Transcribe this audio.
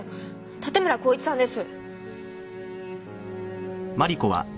盾村孝一さんです。